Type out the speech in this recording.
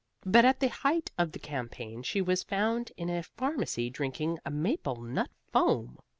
But at the height of the campaign she was found in a pharmacy drinking a maple nut foam.